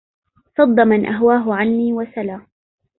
صد من أهواه عني وسلا